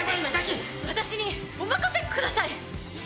私にお任せください！